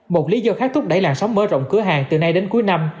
một lý do khát thúc đẩy làn sóng mơ rộng cửa hàng từ nay đến cuối năm